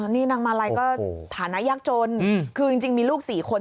นี่นางมาลัยก็ฐานะยากจนคือจริงมีลูก๔คน